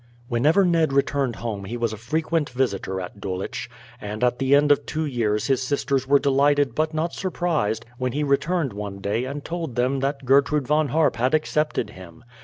Whenever Ned returned home he was a frequent visitor at Dulwich, and at the end of two years his sisters were delighted but not surprised when he returned one day and told them that Gertrude Von Harp had accepted him.